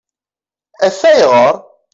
Af ayɣeṛ?